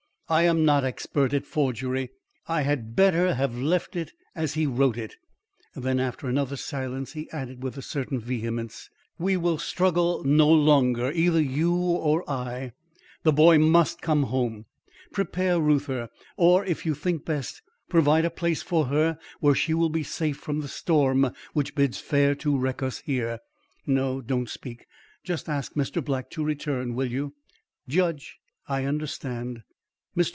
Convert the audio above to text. I am not expert at forgery. I had better have left it, as he wrote it." Then after another silence, he added, with a certain vehemence: "We will struggle no longer, either you or I. The boy must come home. Prepare Reuther, or, if you think best, provide a place for her where she will be safe from the storm which bids fair to wreck us here. No, don't speak; just ask Mr. Black to return, will you?" "Judge " "I understand. Mr.